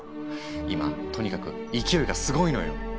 今とにかく勢いがすごいのよ。